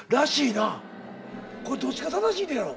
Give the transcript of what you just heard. これどっちが正しいねやろ？